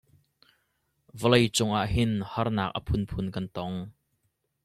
Vawlei cung ah hin harnak a phunphun kan tong.